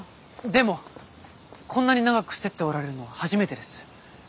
でもこんなに長くふせっておられるのは初めてです。